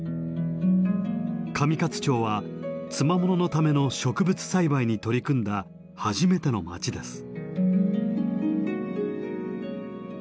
上勝町は「つまもの」のための植物栽培に取り組んだ初めての町です。